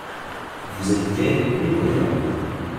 Vous êtes gais, mais bruyants.